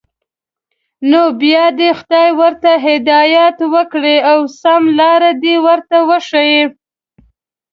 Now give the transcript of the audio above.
نو بیا دې خدای ورته هدایت وکړي او سمه لاره دې ور وښيي.